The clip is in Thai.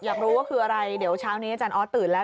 อยากรู้ว่าคืออะไรเดี๋ยวเช้านี้อาจารย์ออสตื่นแล้ว